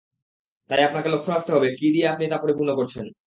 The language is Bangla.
তাই আপনাকে লক্ষ্য রাখতে হবে কি দিয়ে আপনি তা পরিপূর্ণ করছেন!